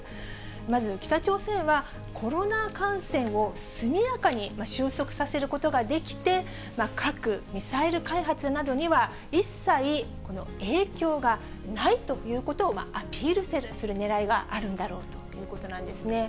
まず、北朝鮮は、コロナ感染を速やかに収束させることができて、核・ミサイル開発などには、一切影響がないということをアピールするねらいがあるんだろうということなんですね。